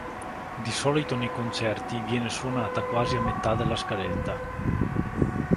Di solito nei concerti viene suonata quasi a metà della scaletta.